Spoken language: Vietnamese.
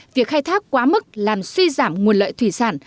việc khai thác quá mức làm suy giảm nguồn lợi thủy sản